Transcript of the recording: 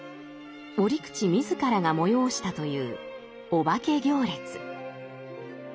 折口自らが催したというお化け行列。